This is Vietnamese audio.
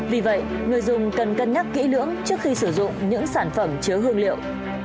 vì vậy người dùng cần cân nhắc kỹ lưỡng trước khi sử dụng những sản phẩm chứa hương liệu